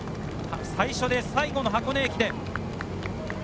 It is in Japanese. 最初で最後の箱根駅伝。